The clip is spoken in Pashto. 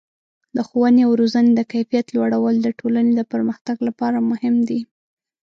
د ښوونې او روزنې د کیفیت لوړول د ټولنې د پرمختګ لپاره مهم دي.